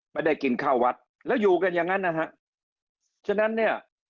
ไม่ได้กินข้าววัดแล้วอยู่กันอย่างนั้นนะฮะฉะนั้นเนี่ย